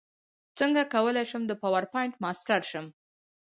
څنګه کولی شم د پاورپاینټ ماسټر شم